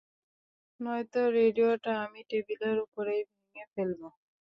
নয়ত রেডিওটা আমি টেবিলের উপরেই ভেংগে ফেলব!